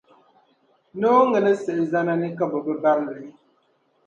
Nooŋa ni siɣi zana ni ka bɛ bi bari li?